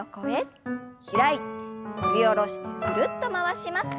開いて振り下ろしてぐるっと回します。